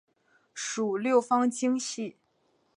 属六方晶系。